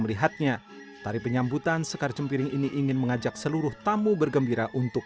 melihatnya tari penyambutan sekar jempiring ini ingin mengajak seluruh tamu bergembira untuk